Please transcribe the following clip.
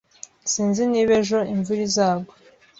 Sinzi niba ejo imvura izagwa